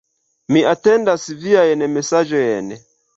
Mi atendas viajn mesaĝojn.